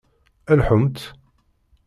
Lḥumt!